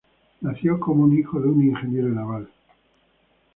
Nació como hijo de un ingeniero naval.